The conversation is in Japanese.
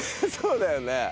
そうだよね。